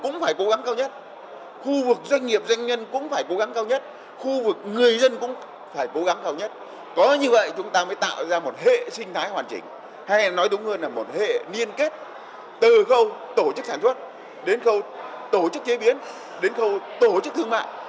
nói đúng hơn là một hệ liên kết từ khâu tổ chức sản xuất đến khâu tổ chức chế biến đến khâu tổ chức thương mại